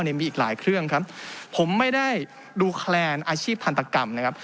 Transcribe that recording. มีอีกหลายเครื่องครับผมไม่ได้ดูแคลนอาชีพทันตกรรมนะครับ